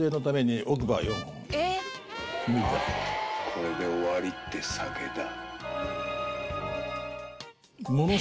これで終わりって酒だ。